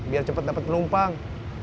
biar cepat dapat penumpang